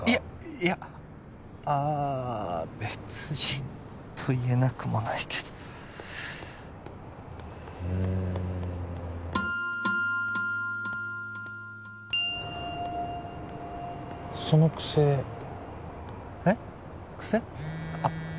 いやああ別人と言えなくもないけどうんその癖えっ癖？